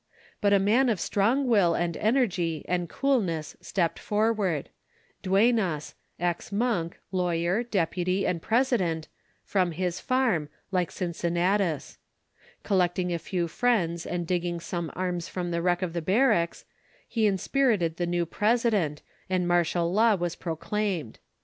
But a man of strong will and energy and coolness stepped forward Duenas, ex monk, lawyer, deputy, and president from his farm, like Cincinnatus. Collecting a few friends and digging some arms from the wreck of the barracks, he inspirited the new president, and martial law was proclaimed.